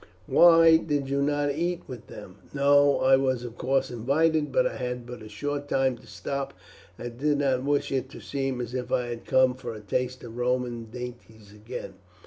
"Why, did you not eat with them?" "No. I was, of course, invited, but I had but a short time to stop and did not wish it to seem as if I had come for a taste of Roman dainties again."